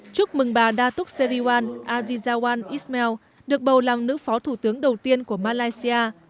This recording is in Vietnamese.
chúc mừng bà datuk seriwan azizawan ismail được bầu làm nữ phó thủ tướng đầu tiên của malaysia